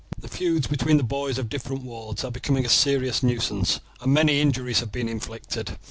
The feuds between the boys of different wards are becoming a serious nuisance, and many injuries have been inflicted.